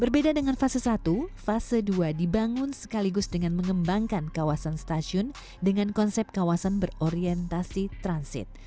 berbeda dengan fase satu fase dua dibangun sekaligus dengan mengembangkan kawasan stasiun dengan konsep kawasan berorientasi transit